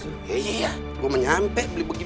iya iya gue mau nyampe beli beginian